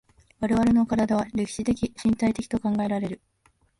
我々の身体は歴史的身体的と考えられる。